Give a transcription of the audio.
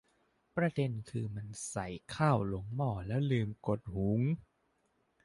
ประเด็นคือมันใส่ข้าวลงหม้อแล้วลืมกดหุง